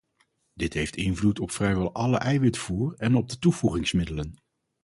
Dit heeft invloed op vrijwel alle eiwitvoer en op de toevoegingsmiddelen.